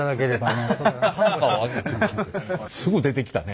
すぐ出てきたね。